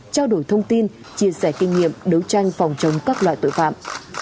trao đổi thông tin chia sẻ kinh nghiệm đấu tranh phòng chống các loại tội phạm